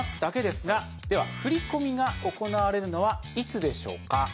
振込が行われるのはいつでしょうか？